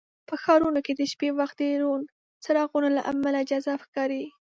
په ښارونو کې د شپې وخت د روڼ څراغونو له امله جذاب ښکاري.